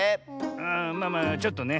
ああまあまあちょっとね。